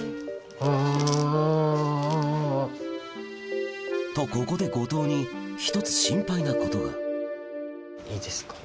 あぁあぁあぁあぁ。とここで後藤に１つ心配なことがいいですか？